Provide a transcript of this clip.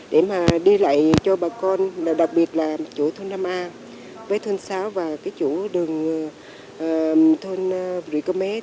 để đi lại cho bà con đặc biệt là chỗ thôn năm a với thôn sáu và chỗ đường thôn rịa cơ mế